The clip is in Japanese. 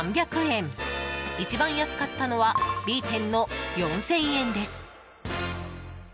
一番安かったのはＢ店の４０００円です。